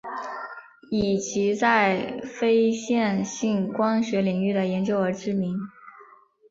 以其在非线性光学领域的研究而知名。